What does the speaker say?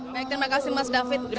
baik terima kasih mas david